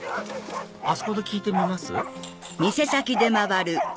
あそこで聞いてみます？